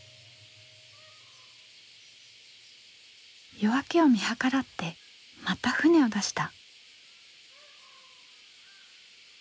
夜明けを見計らってまた船を出した。